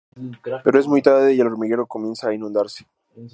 Pero es muy tarde y el hormiguero comienza a inundarse.